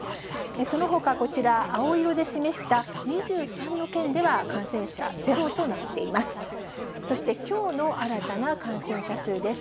そのほかこちら、青色で示した２３の県では、感染者ゼロとなっています。